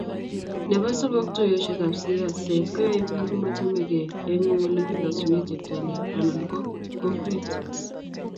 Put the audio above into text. nebo somok, tuiyoshekab siaset koyae biik machamegei eng olegilosune cheptailel anan ko kokwet